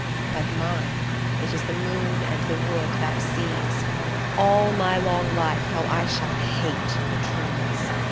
But mine it is the moon and the wood that sees All my long life how I shall hate the trees